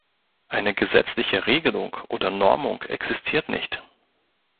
Eine gesetzliche Regelung oder Normung existiert nicht.